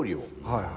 はい。